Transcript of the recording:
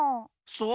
そう？